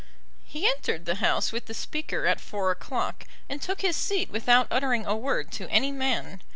He entered the House with the Speaker at four o'clock, and took his seat without uttering a word to any man.